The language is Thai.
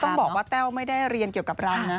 ต้องบอกว่าแต้วไม่ได้เรียนเกี่ยวกับร้านนะ